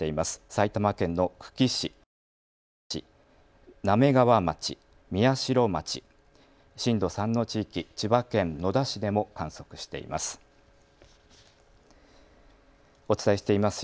埼玉県の久喜市、北本市、滑川町、宮代町、震度３の地域、千葉県野田市でも観測しています。